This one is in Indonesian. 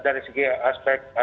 dari segi aspek